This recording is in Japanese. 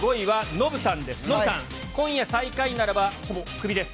ノブさん、今夜、最下位ならば、ほぼクビです。